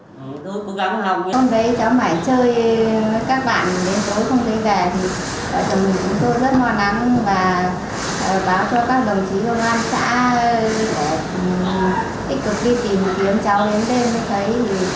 hôm đấy cháu phải chơi với các bạn đến tối không thấy về thì bà chồng mình cũng rất mong nắng và báo cho các đồng chí công an xã để cực kỳ tìm kiếm cháu đến đây